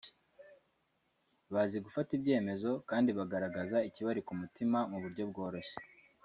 bazi gufata ibyemezo kandi bagaragaza ikibari ku mutima mu buryo bworoshye